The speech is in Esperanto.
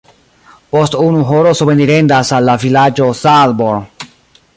Post unu horo sobenirendas al la vilaĝo Saalborn.